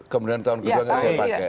kemudian tahun kedua kan saya pakai